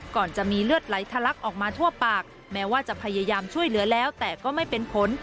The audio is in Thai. ก่อนจะมีเลือดไหลทะลักออกมาทั่วปากแม้ว่าจะพยายามช่วยเหลือแล้วแต่ก็ไม่เป็นผล